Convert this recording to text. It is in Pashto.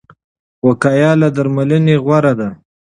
وقايه له درملنې غوره ده.